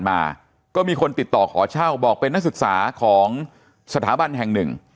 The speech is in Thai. มาก็มีคนติดต่อขอเช่าบอกเป็นนักศึกษาของสถาบันแห่งหนึ่ง